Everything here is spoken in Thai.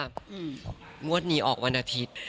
งวดนี้ออกวันอาทิตย์